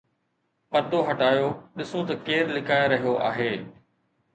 پردو هٽايو، ڏسون ته ڪير لڪائي رهيو آهي؟